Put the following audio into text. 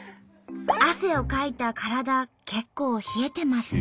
汗をかいた体結構冷えてますね。